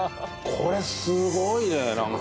これすごいねなんか。